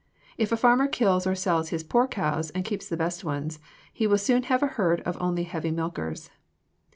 If a farmer kills or sells his poor cows and keeps his best ones, he will soon have a herd of only heavy milkers.